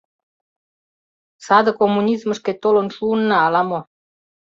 Саде коммунизмышкет толын шуынна ала-мо.